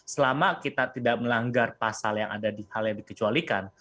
selama kita tidak melanggar pasal yang ada di hal yang dikecualikan